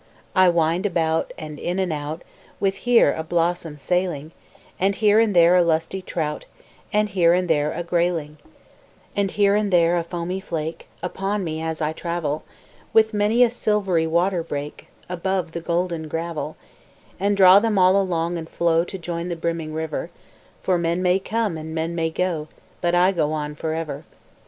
I wind about, and in and out, With here a blossom sailing, And here and there a lusty trout, And here and there a grayling, And here and there a foamy flake Upon me, as I travel With many a silvery waterbreak Above the golden gravel, And draw them all along, and flow To join the brimming river, For men may come and men may go, But I go on for ever.